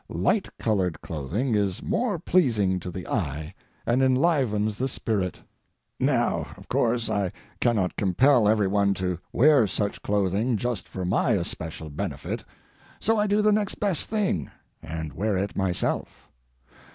Light colored clothing is more pleasing to the eye and enlivens the spirit. Now, of course, I cannot compel every one to wear such clothing just for my especial benefit, so I do the next best thing and wear it myself.